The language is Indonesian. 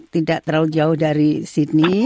tidak terlalu jauh dari sydney